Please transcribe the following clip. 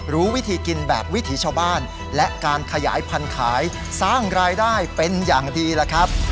รู้วิธีกินแบบวิถีชาวบ้านและการขยายพันธุ์ขายสร้างรายได้เป็นอย่างดีล่ะครับ